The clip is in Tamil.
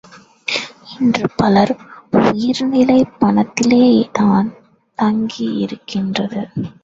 இன்று பலர் உயிர்நிலை பணத்திலேதான் தங்கியிருக்கிறது.